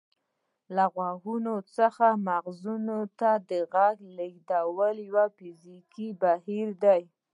له غوږ څخه مغزو ته د غږ لیږد یو فزیولوژیکي بهیر دی